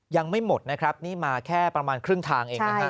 ยังไม่หมดนะครับนี่มาแค่ประมาณครึ่งทางเองนะฮะ